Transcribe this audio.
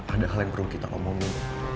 ada hal yang perlu kita omongin